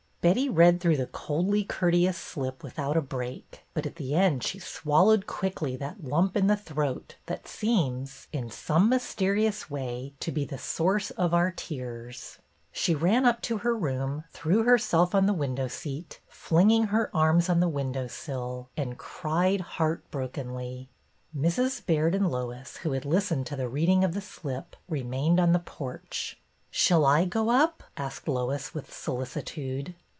Betty read through the coldly courteous slip without a break, but at the end she swallowed quickly that lump in the throat that seems, in some mysterious way, to be the source of our tears. She ran up to her room, threw herself on the window seat, flinging her arms on the window sill, and cried heart brokenly. Mrs. Baird and Lois, who had listened to the reading of the slip, remained on the porch. Shall I go up ?'' asked Lois, with solicitude.